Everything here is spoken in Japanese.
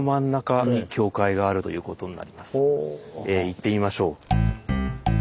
行ってみましょう。